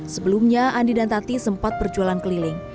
sebelumnya andi dan tati sempat berjualan keliling